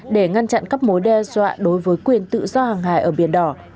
để ngăn chặn các mối đe dọa đối với quyền tự do hàng hải ở biển đỏ